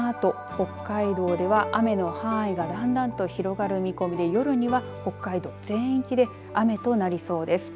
このあと北海道では雨の範囲がだんだんと広がる見込みで夜には北海道全域で雨となりそうです。